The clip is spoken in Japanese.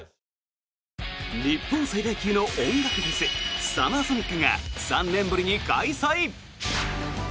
日本最大級の音楽フェスサマーソニックが３年ぶりに開催。